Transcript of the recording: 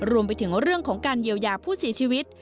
รวมไปถึงเรื่องของการเยียวยาผู้เสียชีวิต